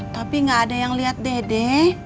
tapi gak ada yang lihat dede